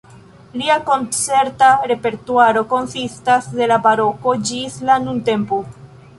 Lia koncerta repertuaro konsistas de la baroko ĝis la nuntempo.